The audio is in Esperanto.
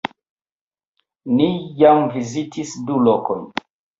Ni jam vizitis du lokojn